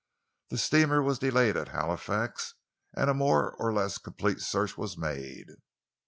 The steamer was delayed at Halifax and a more or less complete search was made.